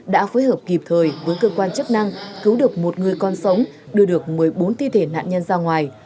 đã phối hợp kịp thời với cơ quan chức năng cứu được một người con sống đưa được một mươi bốn thi thể nạn nhân ra ngoài